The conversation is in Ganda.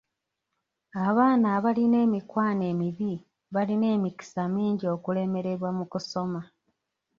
Abaana abalina emikwano emibi balina emikisa mingi okulemererwa mu kusoma.